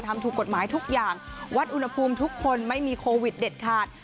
ทำถูกกฎหมายทุกอย่างวัดอุณหภูมิทุกคนไม่มีโควิดเด็ดขาด